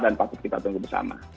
dan pasti kita tunggu bersama